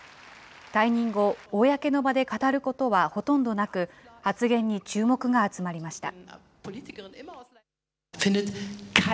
退任後、公の場で語ることはほとんどなく、発言に注目が集まりました。